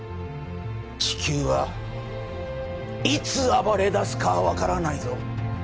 地球はいつ暴れだすか分からないぞ！